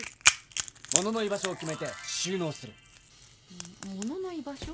もっ物の居場所？